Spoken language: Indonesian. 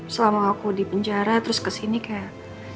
selama aku di penjara terus kesini kayak